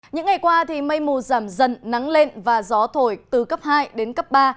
những ngày qua thì mây mù giảm dần nắng lên và gió thổi từ cấp hai đến cấp ba